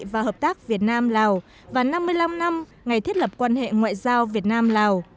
và hợp tác việt nam lào và năm mươi năm năm ngày thiết lập quan hệ ngoại giao việt nam lào